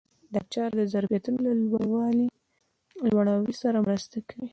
دا چاره د ظرفیتونو له لوړاوي سره مرسته کوي.